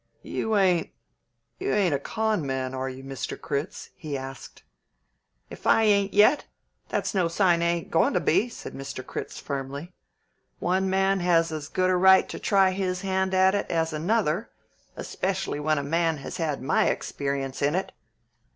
"You ain't, you ain't a con' man, are you, Mr. Critz?" he asked. "If I ain't yet, that's no sign I ain't goin' to be," said Mr. Critz firmly. "One man has as good a right to try his hand at it as another, especially when a man has had my experience in it.